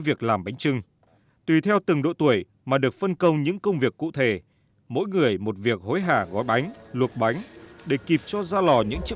hãy đăng ký kênh để ủng hộ kênh của chúng mình nhé